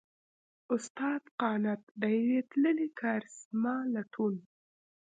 استاد قانت؛ د يوې تللې کارېسما لټون!